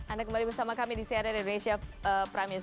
anda kembali bersama kami di cnn indonesia prime news